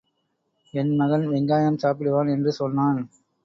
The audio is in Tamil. என் மகன் வெங்காயம் சாப்பிடுவான் என்று சொன்னான்.